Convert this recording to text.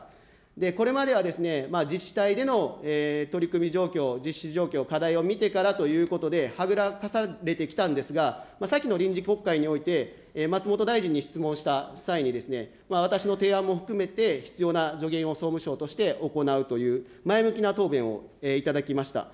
これまではですね、自治体での取り組み状況、実施状況、課題を見てからということで、はぐらかされてきたんですが、先の臨時国会において、松本大臣に質問した際にですね、私の提案も含めて、必要な助言を総務省として行うという、前向きな答弁をいただきました。